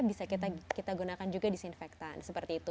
bisa kita gunakan juga disinfektan seperti itu